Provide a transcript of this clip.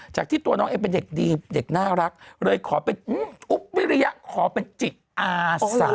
จากที่ตัวน้องเองเป็นเด็กดีเด็กน่ารักเลยขอเป็นอุ๊บวิริยะขอเป็นจิตอาสา